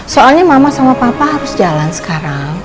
soalnya mama sama papa harus jalan sekarang